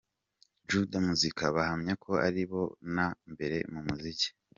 Juda Muzik bahamya ko ari bo na mbere mu muziki.